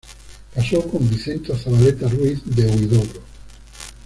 Casó con Vicenta Zavaleta Ruiz de Huidobro.